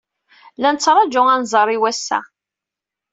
La nettṛaju anẓar i wass-a.